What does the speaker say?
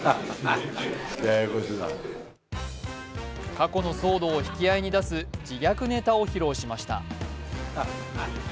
過去の騒動を引き合いに出す自虐ネタを披露しました。